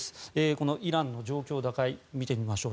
このイランの状況打開見てみましょう。